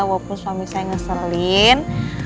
walaupun suami saya ngeselin